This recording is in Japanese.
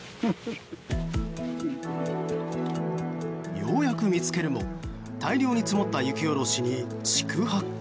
ようやく見つけるも大量に積もった雪下ろしに四苦八苦。